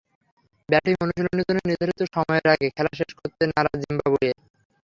Batting অনুশীলনের জন্য নির্ধারিত সময়ের আগে খেলা শেষ করতে নারাজ জিম্বাবুয়ে।